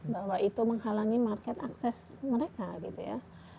bahwa itu menghalangi market akses mereka gitu ya